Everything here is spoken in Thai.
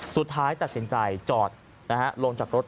สุดท้ายตัดสินใจจอดลงจากรถ